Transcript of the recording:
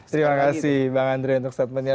terima kasih bang andre untuk statementnya